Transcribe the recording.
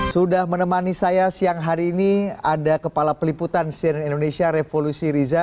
sudah menemani saya siang hari ini ada kepala peliputan cnn indonesia revolusi riza